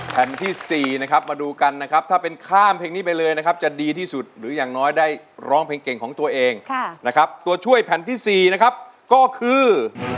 แผ่นที่๔นะครับมาดูกันนะครับถ้าเป็นข้ามเพลงนี้ไปเลยนะครับจะดีที่สุดหรืออย่างน้อยได้ร้องเพลงเก่งของตัวเองนะครับตัวช่วยแผ่นที่๔นะครับก็คือ